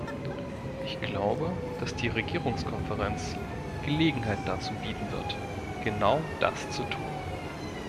Ich glaube, dass die Regierungskonferenz Gelegenheit dazu bieten wird, genau das zu tun.